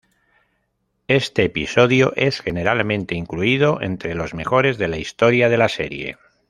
Este episodio es generalmente incluido entre los mejores de la historia de la serie.